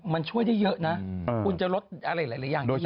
มันช่วยได้เยอะคุณจะลดอะไรหลายอย่างได้เยอะ